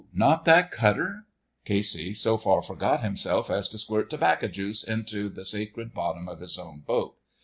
Not that cutter...?" Casey so far forgot himself as to squirt tobacco juice into the sacred bottom of his own boat.